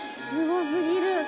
すごすぎる。